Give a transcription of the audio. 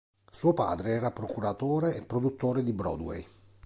Suo padre era procuratore e produttore di Broadway.